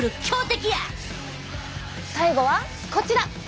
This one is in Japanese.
最後はこちら！